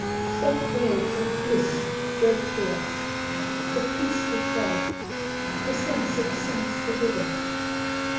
Soft waves of bliss break through us. "The peace with God." "The sense of sins forgiven."